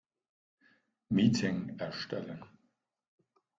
Meeting erstellen.